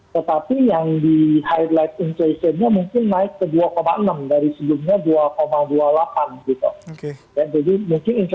tetapi yang di highlight inflationnya mungkin naik ke dua enam dari sebelumnya dua dua puluh delapan gitu